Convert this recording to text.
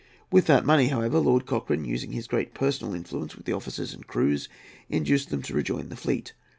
With that money, however, Lord Cochrane, using his great personal influence with the officers and crews, induced them to rejoin the fleet.